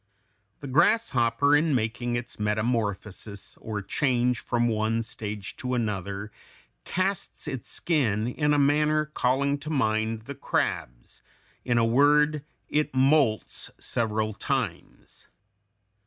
The grasshopper in making its metamorphosis, or change from one stage to another, casts its skin in a manner calling to mind the crabs; in a word, it molts several times (Fig.